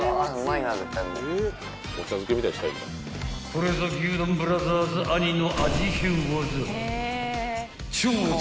［これぞ牛丼ブラザーズ兄の］